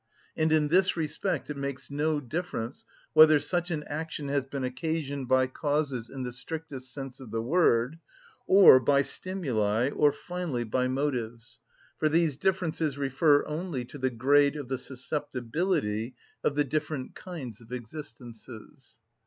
And in this respect it makes no difference whether such an action has been occasioned by causes in the strictest sense of the word, or by stimuli, or finally by motives, for these differences refer only to the grade of the susceptibility of the different kinds of existences.